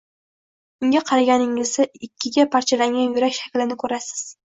Unga qaraganingizda ikkiga parchalangan yurak shaklini ko‘rasiz.